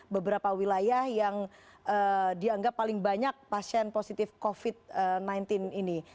beberapa wilayah yang dianggap paling banyak pasien positif covid sembilan belas ini